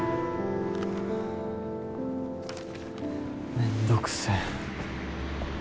めんどくせえ。